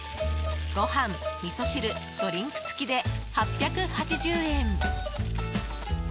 ご飯、みそ汁、ドリンク付きで８８０円。